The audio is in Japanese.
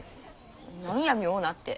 何や妙なって。